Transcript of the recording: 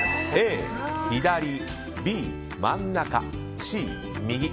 Ａ、左Ｂ、真ん中Ｃ、右。